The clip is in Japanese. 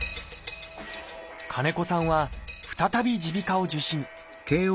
金子さんは再び耳鼻科を受診